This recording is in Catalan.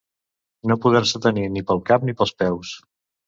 No poder-se tenir ni pel cap ni pels peus.